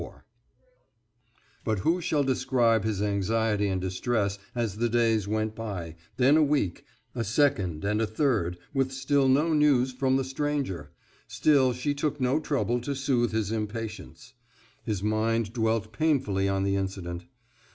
IV But who shall describe his anxiety and distress as the days went by, then a week, a second and a third, with still no news from the stranger? Still she took no trouble to soothe his impatience. His mind dwelt painfully on the incident.